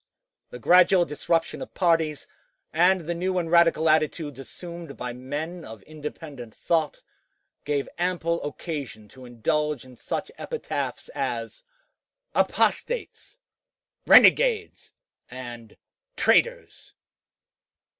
The gradual disruption of parties, and the new and radical attitudes assumed by men of independent thought, gave ample occasion to indulge in such epithets as "apostates," "renegades," and "traitors."